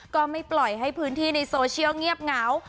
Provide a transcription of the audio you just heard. ก็ไม่ปล่อยให้พื้นที่ในโซเชียลเงียบเหงา